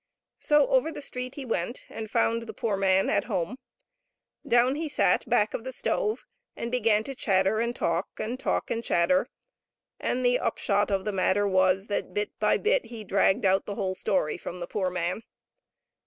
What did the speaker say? So over the street he went, and found the poor man at home. Down he sat back of the stove and began to chatter and talk and talk and chatter, and the upshot of the matter was that, bit by bit, he dragged out the whole story from the poor man.